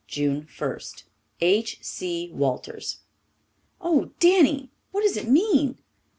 June First. H.C. Walters. "Oh, Danny, what does it mean?"